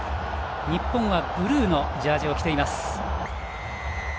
日本はブルーのジャージーを着ています。